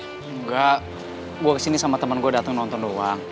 enggak gue kesini sama temen gue datang nonton doang